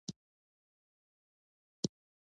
او له هغو څخه به يې خوندونه او پندونه اخيستل